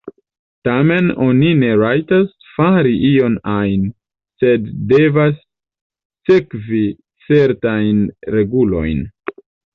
Tamen oni ne rajtas fari ion ajn, sed devas sekvi certajn regulojn.